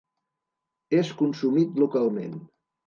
És consumit localment.